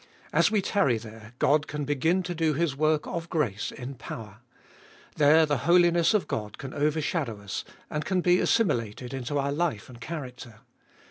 As we tarry there God can begin to do His work of grace in power. There the holiness of God can overshadow us, and can be assimi 390 tTbe Iboliest of all lated into our life and character.